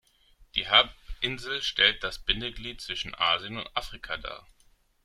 Die Halbinsel stellt das Bindeglied zwischen Asien und Afrika dar.